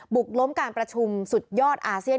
กล้มการประชุมสุดยอดอาเซียน